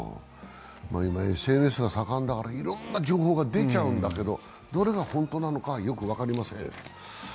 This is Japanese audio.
今、ＳＮＳが盛んだからいろんな情報が出ちゃうんだけどどれが本当なのかはよく分かりません。